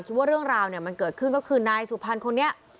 คิดว่าเรื่องราวเนี่ยมันเกิดขึ้นก็คือนายสุพรรณคนนี้